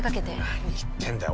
何言ってんだよ。